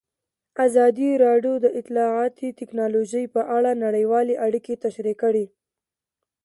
ازادي راډیو د اطلاعاتی تکنالوژي په اړه نړیوالې اړیکې تشریح کړي.